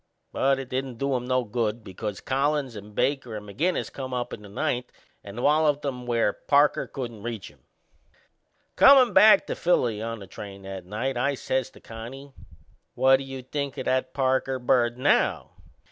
But it didn't do 'em no good, because Collins and Baker and McInnes come up in the ninth and walloped 'em where Parker couldn't reach 'em. Comin' back to Philly on the train that night, I says to Connie: "What do you think o' that Parker bird now?"